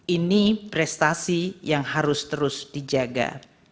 ini prestasi yang harus terus dijaga